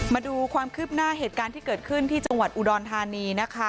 มาดูความคืบหน้าเหตุการณ์ที่เกิดขึ้นที่จังหวัดอุดรธานีนะคะ